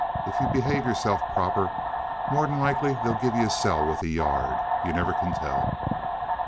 If you behave yourself proper, more'n like they'll give yuh a cell with a yard. Yuh never can tell."